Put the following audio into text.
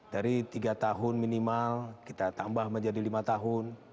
dari tiga tahun minimal kita tambah menjadi lima tahun